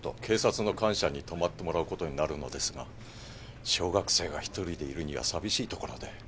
警察の官舎に泊まってもらうことになるのですが小学生が１人でいるには寂しい所で。